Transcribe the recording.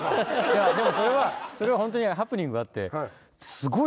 でもそれはホントにハプニングがあって。